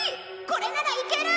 これならいける！